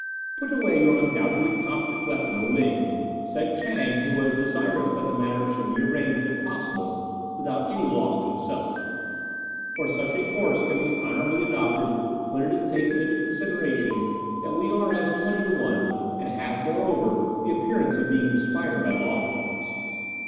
"Put away your undoubtedly competent weapon, O Ling," said Chang, who was desirous that the matter should be arranged if possible without any loss to himself, "for such a course can be honourably adopted when it is taken into consideration that we are as twenty to one, and have, moreover, the appearance of being inspired by law forms."